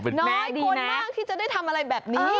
น้อยคนมากที่จะได้ทำอะไรแบบนี้